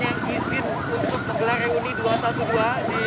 yang izin untuk menggelar reuni dua ratus dua belas